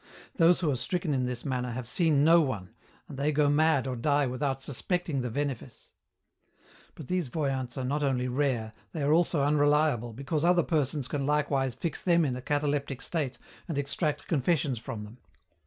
Those who are stricken in this manner have seen no one, and they go mad or die without suspecting the venefice. But these voyants are not only rare, they are also unreliable, because other persons can likewise fix them in a cataleptic state and extract confessions from them.